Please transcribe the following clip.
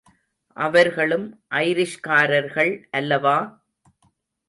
அவர்களும் ஐரிஷ்காரர்கள் அல்லவா!